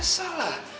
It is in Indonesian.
maksudnya lo salah